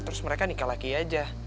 terus mereka nikah lagi aja